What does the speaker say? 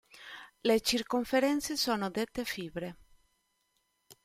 Le circonferenze sono dette fibre.